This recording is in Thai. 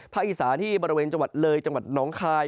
อีสาที่บริเวณจังหวัดเลยจังหวัดน้องคาย